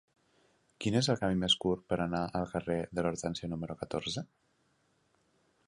Quin és el camí més curt per anar al carrer de l'Hortènsia número catorze?